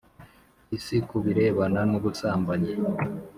isi ku birebana n ubusambanyi